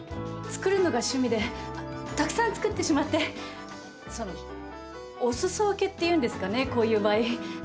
作るのが趣味でたくさん作ってしまってそのお裾分けっていうんですかねこういう場合。